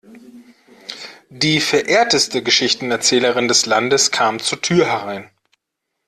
Die verehrteste Geschichtenerzählerin des Landes kam zur Tür herein.